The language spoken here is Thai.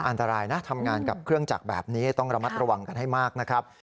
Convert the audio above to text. อันตรายนะทำงานกับเครื่องจักรแบบนี้ต้องระมัดระวังกันให้มากนะครับ